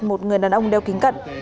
một người đàn ông đeo kính cận